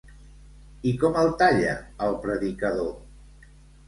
I com el talla el predicador?